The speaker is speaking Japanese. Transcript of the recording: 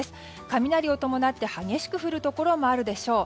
雷を伴って激しく降るところもあるでしょう。